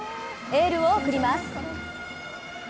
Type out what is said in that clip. エールを送ります。